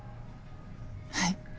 はい。